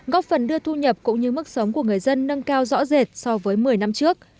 góp phần đưa thu nhập cũng như mức sống của người dân nâng cao rõ rệt so với một mươi năm trước